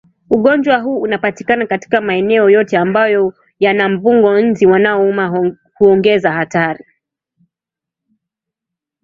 Ugonjwa huu unapatikana katika maeneo yote ambayo yana mbung'o Nzi wanaouma huongeza hatari